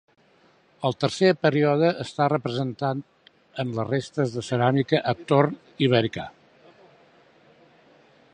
El tercer període està representat en les restes de ceràmica a torn ibèrica.